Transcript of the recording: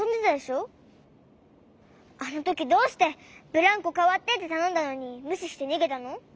あのときどうして「ブランコかわって」ってたのんだのにむししてにげたの？